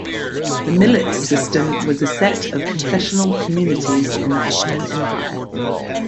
The Millet system was a set of confessional communities in the Ottoman Empire.